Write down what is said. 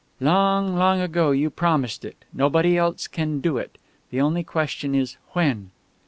"Long, long ago you promised it. Nobody else can do it. The only question is 'when.'"